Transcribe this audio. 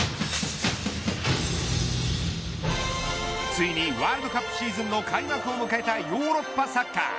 ついにワールドカップシーズンの開幕を迎えたヨーロッパサッカー。